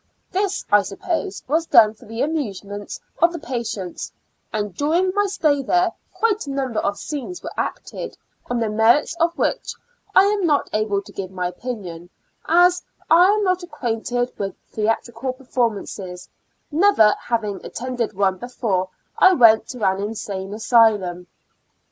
This I suppose was done for the amusement of the patients, and during my stay there quite a number of scenes were acted, on the merits of which I am not able to give any opinion, as I am not acquainted with theatrical perform 100 Two Years AND Four Months aiices, haviug never attended one before I went to an insane asylum.